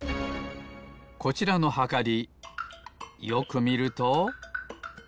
こちらのはかりよくみると。